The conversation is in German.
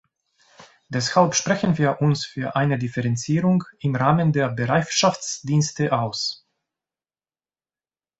Deshalb sprechen wir uns für eine Differenzierung im Rahmen der Bereitschaftsdienste aus.